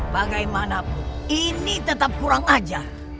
bagaimanapun ini tetap kurang ajar